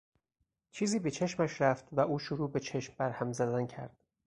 چیزی به چشمش رفت و او شروع به چشم بر هم زدن کرد.